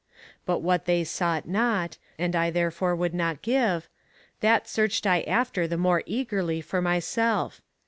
But what they sought not, and I therefore would not give, that searched I after the more eagerly for myself.